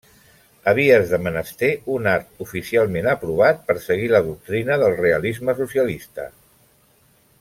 Havies de menester un art oficialment aprovat per seguir la doctrina del realisme socialista.